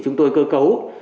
chúng tôi cơ cấu